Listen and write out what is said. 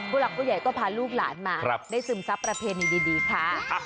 หลักผู้ใหญ่ก็พาลูกหลานมาได้ซึมซับประเพณีดีค่ะ